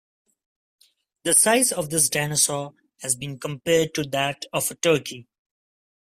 The size of this dinosaur has been compared to that of a turkey.